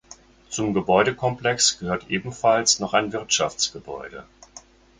Zum Gebäudekomplex gehört ebenfalls noch ein Wirtschaftsgebäude.